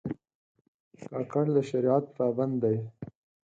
کاکړ د شریعت پابند دي.